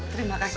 terima kasih ya